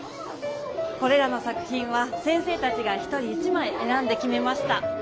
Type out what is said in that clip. これらの作品は先生たちが一人一まいえらんできめました。